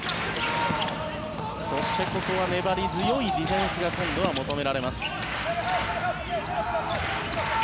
そしてここは粘り強いディフェンスが今度は求められます。